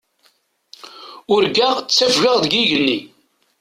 Urgaɣ ttafgeɣ deg yigenni.